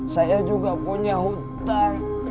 saya juga punya hutang